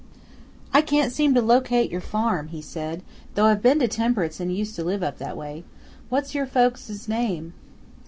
"I can't seem to locate your farm," he said, "though I've been to Temperance and used to live up that way. What's your folks' name?"